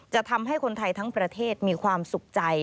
จะทำให้คนไทยทั้งประเทศมีความสุขใจ